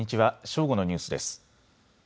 正午のニュースです。